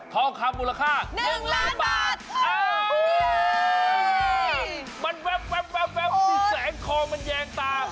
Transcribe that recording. ท้องคำมูลค่าหนึ่งล้านบาทมันแว๊บแว๊บแว๊บแว๊บที่แสงคอมันแยงตา